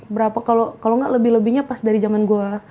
berapa kalau nggak lebih lebihnya pas dari zaman gue